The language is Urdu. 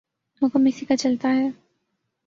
حکم اسی کا چلتاہے۔